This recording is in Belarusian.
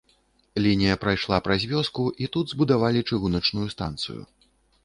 Лінія прайшла праз вёску, і тут збудавалі чыгуначную станцыю.